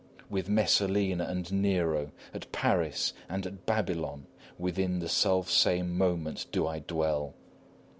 With Messalina and Nero, at Paris and at Babylon, within the self same moment do I dwell.